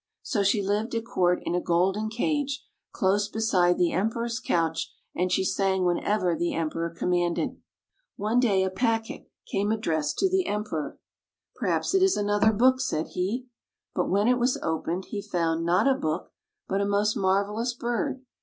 So she lived at coui't in a golden cage, close beside the Emperor's couch, and she sang whenever the Emperor commanded. One day a packet came addressed to the [ 44 )] THE NIGHTINGALE Emperor. " Perhaps it is another book," said he. But when it was opened, he found, not a book, but a most marvelous bird.